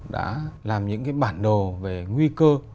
đã làm những cái bản đồ về nguy cơ